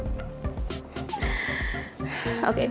terima kasih dad